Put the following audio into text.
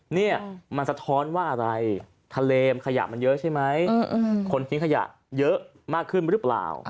นี่มันสะท้อนว่าอะไรทะเลขยะมันเยอะใช่ไหมคนทิ้งขยะเยอะมากขึ้นหรือเปล่า